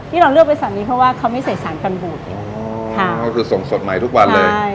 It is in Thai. เราเลือกไปสารนี้เพราะว่าเขาไม่ใส่สารกันบูดค่ะก็คือส่งสดใหม่ทุกวันเลยใช่